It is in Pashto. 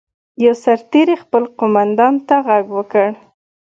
یوه سرتېري خپل قوماندان ته غږ وکړ.